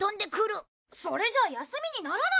それじゃあ休みにならないじゃないか。